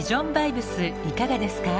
いかがですか？